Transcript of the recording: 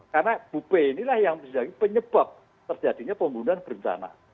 karena bu pe inilah yang menjadi penyebab terjadinya pembunuhan perintah